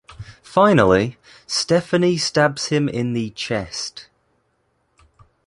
Finally, Stephanie stabs him in the chest.